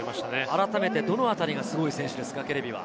改めて、どのあたりがすごいですか？